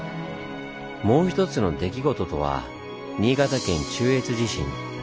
もう一つの出来事とは新潟県中越地震。